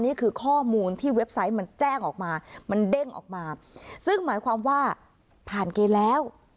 นี่คือข้อมูลที่เว็บไซต์มันแจ้งออกมามันเด้งออกมาซึ่งหมายความว่าผ่านเกณฑ์แล้ว